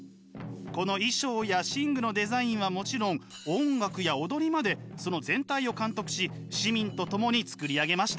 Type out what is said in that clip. この衣装や神具のデザインはもちろん音楽や踊りまでその全体を監督し市民と共に作り上げました。